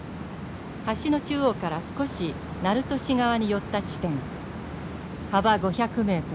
橋の中央から少し鳴門市側に寄った地点幅５００ｍ